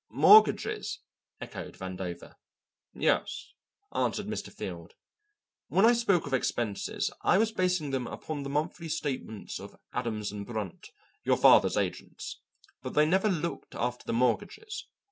"Mortgages?" echoed Vandover. "Yes," answered Mr. Field, "when I spoke of expenses I was basing them upon the monthly statements of Adams & Brunt, your father's agents. But they never looked after the mortgages.